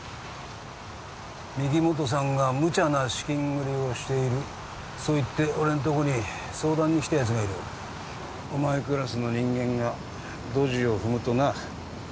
御木本さんがむちゃな資金繰りをしているそう言って俺のとこに相談に来たやつがいるお前クラスの人間がドジを踏むとな